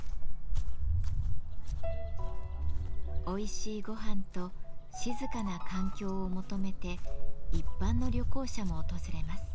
おいしいごはんと静かな環境を求めて一般の旅行者も訪れます。